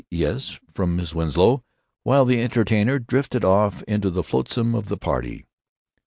"Y yes?" from Miss Winslow, while the entertainer drifted off into the flotsam of the party.